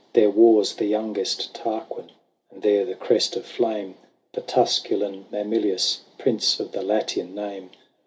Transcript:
There wars the youngest Tarquin, And there the Crest of Flame, The Tusculan Mamilius, Prince of the Latian name.